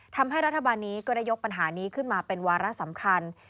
ทำให้รัฐบาลนี้ก็ได้ยกปัญหานี้ขึ้นมาเป็นวาระสำคัญ